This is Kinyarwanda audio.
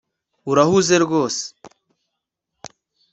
Urahuze rwose